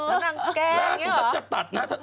เออนางแก้งอย่างนี้เหรอ